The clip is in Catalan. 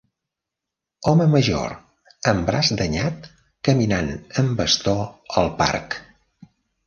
Home major amb braç danyat caminant amb bastó al parc.